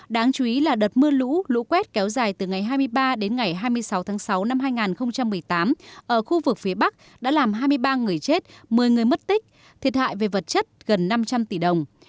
đáng chú ý là đợt mưa lũ lũ quét kéo dài từ ngày hai mươi ba đến ngày hai mươi sáu tháng sáu năm hai nghìn một mươi tám ở khu vực phía bắc đã làm hai mươi ba người chết một mươi người mất tích thiệt hại về vật chất gần năm trăm linh tỷ đồng